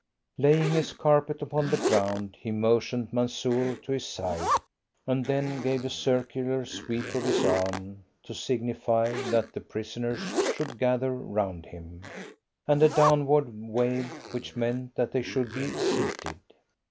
Laying his carpet upon the ground, he motioned Mansoor to his side, and then gave a circular sweep of his arm to signify that the prisoners should gather round him, and a downward wave which meant that they should be seated.